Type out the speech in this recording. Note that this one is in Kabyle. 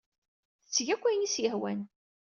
Tetteg akk ayen ay as-yehwan.